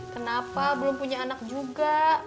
kenapa belum punya anak juga